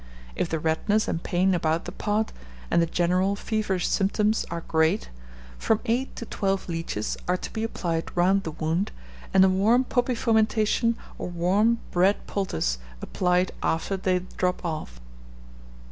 If the redness and pain about the part, and the general feverish symptoms, are great, from eight to twelve leeches are to be applied round the wound, and a warm poppy fomentation or warm bread poultice applied after they drop off.